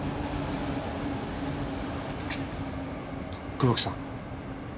黒木さん。